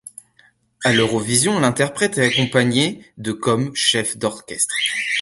À l'Eurovision, l'interprète est accompagné de comme chef d'orchestre.